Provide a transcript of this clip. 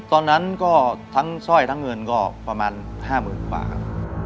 ตอนนั้นก็ทั้งสร้อยทั้งเงินก็ประมาณ๕๐๐๐กว่าครับ